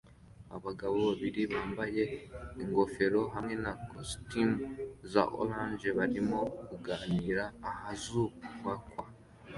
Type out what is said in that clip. Abagabo babiri bambaye ingofero hamwe na kositimu ya orange barimo kuganira ahazubakwa